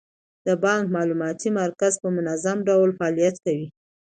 د بانک معلوماتي مرکز په منظم ډول فعالیت کوي.